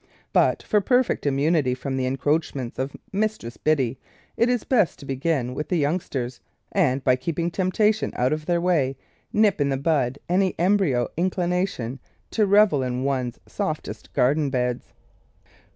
But for perfect immunity from the encroachments of ]\Iistress Biddy it is best to begin with the youngsters and, by keeping temptation out of their waj^ nip in the bud any embryo inclination to revel in one's softest garden beds.